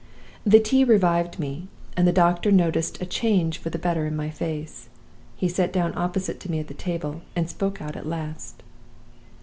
"The tea revived me; and the doctor noticed a change for the better in my face. He sat down opposite to me at the table, and spoke out at last.